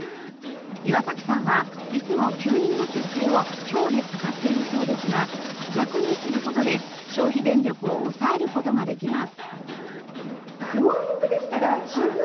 岩崎さんはいつも吸引の設定を「強」で使っているそうですが「弱」にする事で消費電力を抑える事ができます。